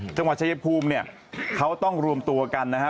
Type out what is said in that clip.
จังหวัดเฉยภูมิเขาต้องรวมตัวกันนะฮะ